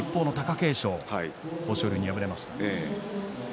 一方の貴景勝豊昇龍に敗れました。